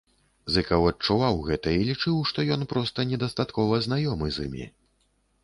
Зыкаў адчуваў гэта і лічыў, што ён проста недастаткова знаёмы з імі.